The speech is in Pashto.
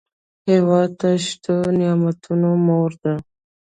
هېواد د شتو نعمتونو مور ده.